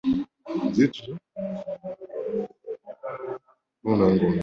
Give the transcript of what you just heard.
Obugumba n’obuwuulu by’otatya ggwe, bye lusibye mu mayumba g’abasajja.